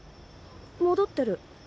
戻ってる。